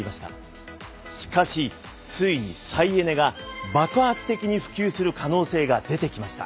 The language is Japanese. しかしついに再エネが爆発的に普及する可能性が出てきました。